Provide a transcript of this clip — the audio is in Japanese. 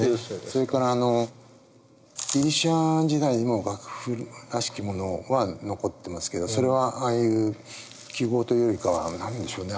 それからギリシャ時代にも楽譜らしきものは残ってますけどそれはああいう記号というよりかは何でしょうね